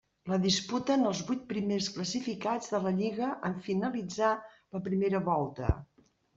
La disputen els vuit primers classificats de la lliga en finalitzar la primera volta.